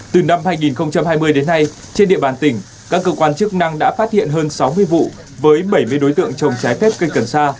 từ năm hai nghìn hai mươi đến nay trên địa bàn tỉnh các cơ quan chức năng đã phát hiện hơn sáu mươi vụ với bảy mươi đối tượng trồng trái phép cây cần sa